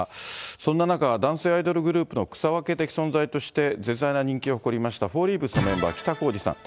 そんな中、男性アイドルグループの草分け的存在として絶大な人気を誇りました、フォーリーブスのメンバー、北公次さん。